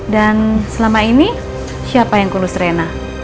dan selama ini siapa yang kulus reina